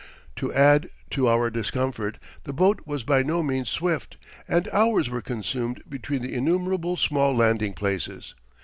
To add to our discomfort, the boat was by no means swift, and hours were consumed between the innumerable small landing places.